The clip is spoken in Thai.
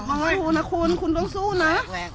โอ้โหนะคุณคุณต้องสู้นะ